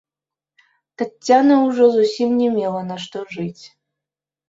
Таццяна ўжо зусім не мела на што жыць.